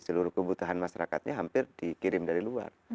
seluruh kebutuhan masyarakatnya hampir dikirim dari luar